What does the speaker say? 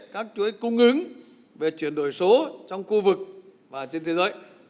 các chuỗi cung ứng về chuyển đổi số trong khu vực và trên thế giới